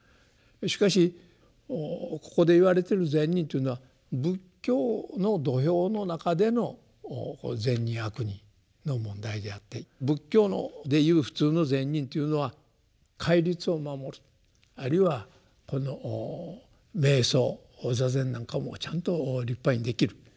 しかしここで言われてる「善人」というのは仏教の土俵の中での「善人」「悪人」の問題であって仏教でいう普通の「善人」というのは戒律を守るあるいは瞑想座禅なんかもちゃんと立派にできる。